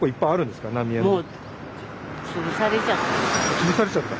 つぶされちゃった？